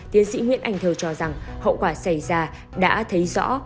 tiến sĩ nguyễn anh thơ cho rằng hậu quả xảy ra đã thấy rõ